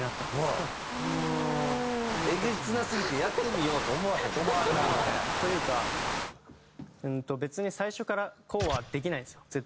えげつなすぎてやってみようと思わへんな。というか別に最初からこうはできないんですよ